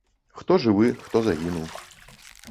Хто жывы, хто загінуў.